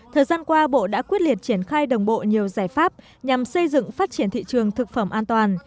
thời gian qua bộ đã quyết liệt triển khai đồng bộ nhiều giải pháp nhằm xây dựng phát triển thị trường thực phẩm an toàn